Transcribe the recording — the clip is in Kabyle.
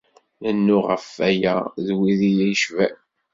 Nennuɣ ɣef aya d wid i yi-icban.